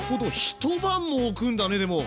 一晩もおくんだねでも。